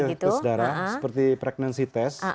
ya seperti tes darah seperti pregnancy test